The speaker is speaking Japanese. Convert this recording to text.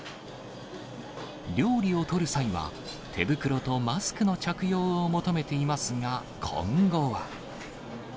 料理を取る際は、手袋とマスクの着用を求めていますが、今後は。